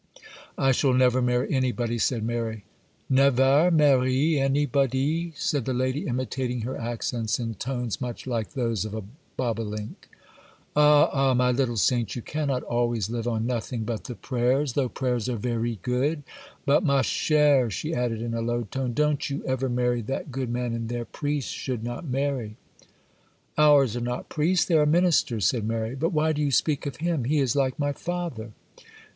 'I shall never marry anybody,' said Mary. 'Nevare marrie anybodie!' said the lady, imitating her accents in tones much like those of a bobolink. 'Ah! ah! my little saint, you cannot always live on nothing but the prayers, though prayers are verie good. But, ma chère,' she added, in a low tone, 'don't you ever marry that good man in there; priests should not marry.' 'Ours are not priests,—they are ministers,' said Mary. 'But why do you speak of him?—he is like my father.